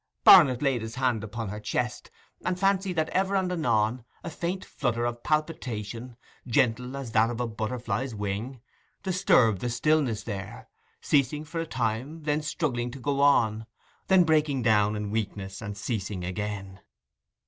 Barnet laid his hand upon her chest, and fancied that ever and anon a faint flutter of palpitation, gentle as that of a butterfly's wing, disturbed the stillness there—ceasing for a time, then struggling to go on, then breaking down in weakness and ceasing again.